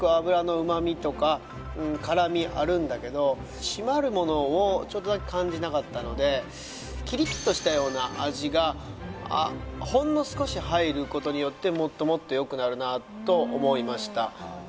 すごく締まるものをちょっとだけ感じなかったのでキリッとしたような味がほんの少し入ることによってもっともっとよくなるなと思いました